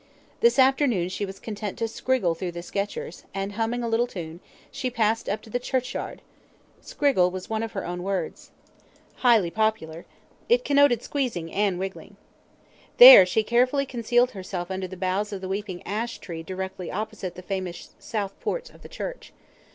... This afternoon she was content to "scriggle" through the sketchers, and humming a little tune, she passed up to the churchyard. ("Scriggle" was one of her own words, highly popular; it connoted squeezing and wriggling.) There she carefully concealed herself under the boughs of the weeping ash tree directly opposite the famous south porch of the church.